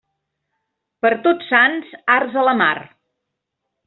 Per Tots Sants, arts a la mar.